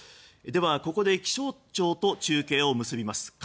では、ここで気象庁と中継を結びます。